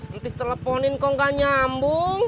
mpis teleponin kok gak nyambung